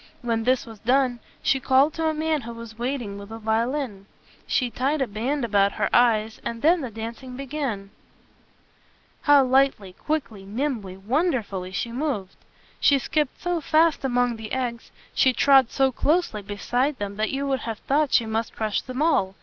When this was done, she called to a man who was waiting with a violin. She tied a band about her eyes, and then the dancing began. [Illustration: "And then the dancing began."] How lightly, quickly, nimbly, wonderfully, she moved! She skipped so fast among the eggs, she trod so closely beside them, that you would have thought she must crush them all.